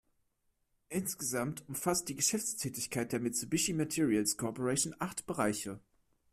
Insgesamt umfasst die Geschäftstätigkeit der Mitsubishi Materials Corporation acht Bereiche.